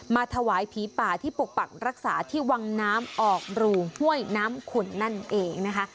ถวายผีป่าที่ปกปักรักษาที่วังน้ำออกรูห้วยน้ำขุนนั่นเองนะคะ